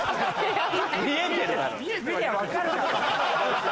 見りゃ分かるだろ！